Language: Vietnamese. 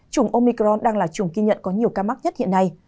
chủng omicron đang là chủng ghi nhận có nhiều ca mắc nhất hiện nay